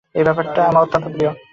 এই ব্যাপারটা ছিল আমার অত্যন্ত প্রিয়।